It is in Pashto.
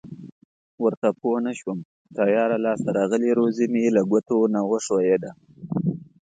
ورته پوه نشوم تیاره لاس ته راغلې روزي مې له ګوتو نه و ښویېده.